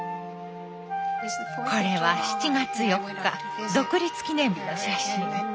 これは７月４日独立記念日の写真。